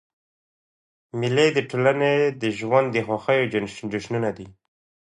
مېلې د ټولني د ژوند د خوښیو جشنونه دي.